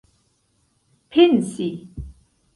pensi